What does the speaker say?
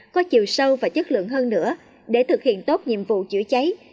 có chiều sâu và chất lượng hơn nữa để thực hiện tốt nhiệm vụ chữa cháy